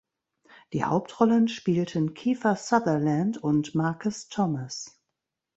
Die Hauptrollen spielten Kiefer Sutherland und Marcus Thomas.